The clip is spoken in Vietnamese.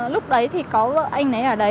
lúc đấy thì có vợ anh ấy ở đấy